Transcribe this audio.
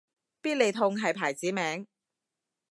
必理痛係牌子名